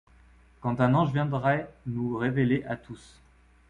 Quand un ange viendrait nous révéler à tous